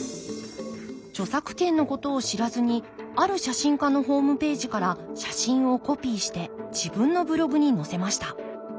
著作権のことを知らずにある写真家のホームページから写真をコピーして自分のブログに載せました。